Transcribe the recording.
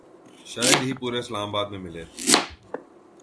شاید ہی پورے اسلام آباد میں ملے